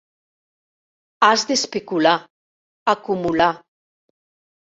Has d'especular, acumular.